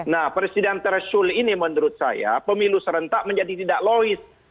nah presiden threshold ini menurut saya pemilu serentak menjadi tidak lois